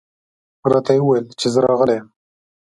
راته یې وویل چې زه راغلی یم.